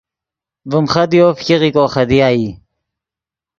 ڤیم خدیو فګیغو خدیا ای